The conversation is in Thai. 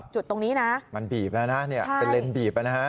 จุดตรงนี้นะมันบีบแล้วนะเป็นเลนส์บีบนะฮะ